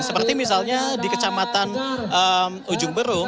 seperti misalnya di kecamatan ujung berung